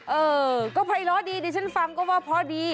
เออก็ภัยล้อดีผมฟังว่าพอดี